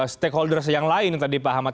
stakeholder yang lain yang tadi pak hamad